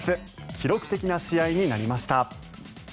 記録的な試合になりました。